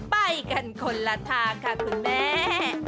ไปกันคนละทางค่ะคุณแม่